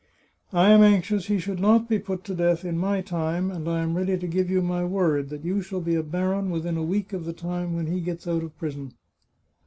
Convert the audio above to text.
— I am anxious he should not be put to death in my time, and I am ready to give you my word that you shall be a baron within a week of the time when he gets out of prison."